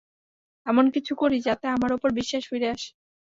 এমন কিছু করি, যাতে আমার ওপর বিশ্বাস ফিরে আসে।